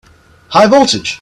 High voltage!